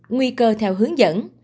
nguy cơ theo hướng dẫn